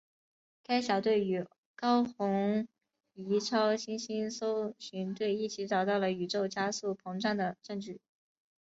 该小队与高红移超新星搜寻队一起找到了宇宙加速膨胀的证据。